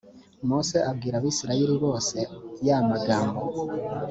mose abwira abisirayeli bose ya magambo